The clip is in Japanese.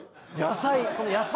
野菜！